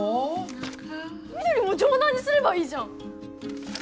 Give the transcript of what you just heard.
翠も城南にすればいいじゃん。